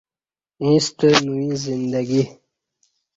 ییݩستہ نوئ زندگی